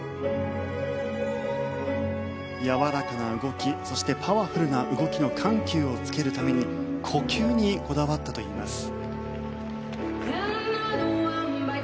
やわらかな動きそしてパワフルな動きの緩急をつけるために呼吸にこだわったといいます。